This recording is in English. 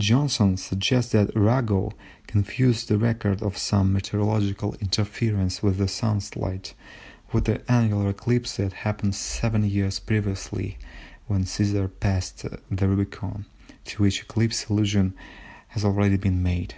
Johnson suggests that Arago confused the record of some meteorological interference with the Sun's light with the annular eclipse that happened seven years previously when Cæsar passed the Rubicon, to which eclipse allusion has already been made.